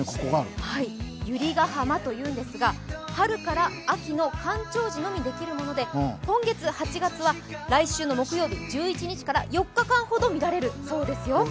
百合ヶ浜というんですが春から秋の干潮時のみできるもので今月８月は来週の木曜日１１日から４日間ほど見れるそうです。